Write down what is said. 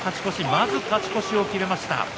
まず勝ち越しを決めました。